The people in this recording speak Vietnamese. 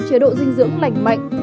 chế độ dinh dưỡng lạnh mạnh